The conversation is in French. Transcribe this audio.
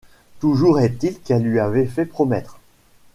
Toujours est-il qu’elle lui avait fait promettre